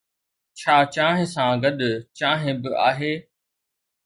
ڇا چانهه سان گڏ چانهه به آهي؟